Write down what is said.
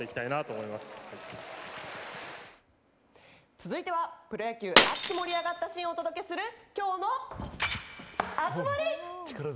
続いては、プロ野球熱く盛り上がったシーンをお届けする今日の熱盛！